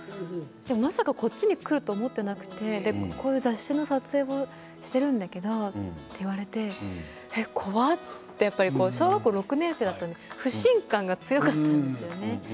まさかこっちに来ると思っていなくてこういう雑誌の撮影をしているんだけどと言われて怖いと思って小学校６年生だったので不信感が強かったんですよね。